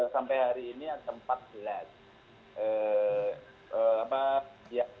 sampai hari ini ada empat belas